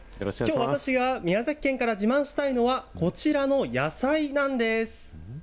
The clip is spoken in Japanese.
きょう、私が宮崎県から自慢したいのは、こちらの野菜なんです。